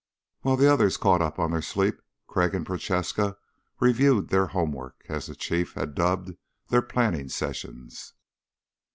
While the others caught up on their sleep, Crag and Prochaska reviewed their homework, as the Chief had dubbed their planning sessions.